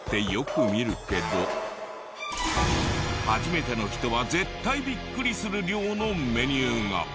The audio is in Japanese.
初めての人は絶対ビックリする量のメニューが。